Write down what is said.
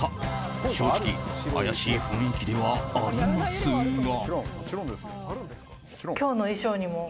正直怪しい雰囲気ではありますが。